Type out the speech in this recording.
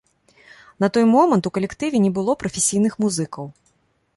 На той момант у калектыве не было прафесійных музыкаў.